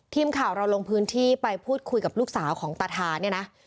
ทีมข่าวเราลงพื้นที่ไปพูดคุยกับลูกสาวของตาทาเนี่ยนะ